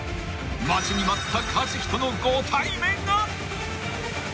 ［待ちに待ったカジキとのご対面が］